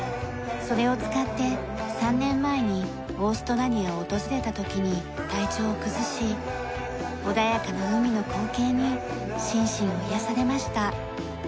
それを使って３年前にオーストラリアを訪れた時に体調を崩し穏やかな海の光景に心身を癒やされました。